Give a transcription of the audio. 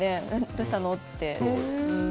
どうしたの？って。